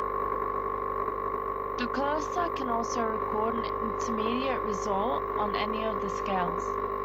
The cursor can also record an intermediate result on any of the scales.